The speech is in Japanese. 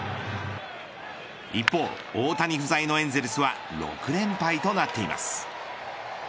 一方、大谷不在のエンゼルスは６連敗となっています。